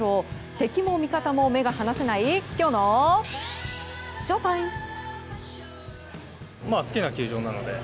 敵も味方も目が離せないきょうのＳＨＯＴＩＭＥ。